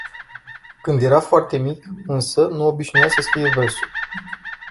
Când era foarte mic, însă, nu obișnuia să scrie versuri.